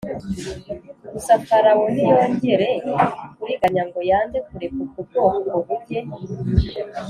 Gusa Farawo ntiyongere kuriganya ngo yange kureka ubwo bwoko ngo bujye